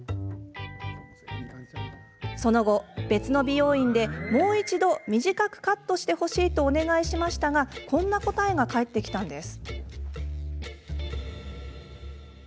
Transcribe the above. その後、別の美容院でもう一度短くカットしてほしいとお願いしましたがこんな答えが返ってきたんです。